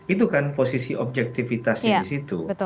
itu kan posisi objektifitasnya di situ